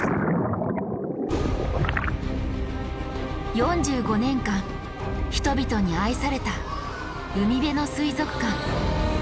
４５年間人々に愛された海辺の水族館。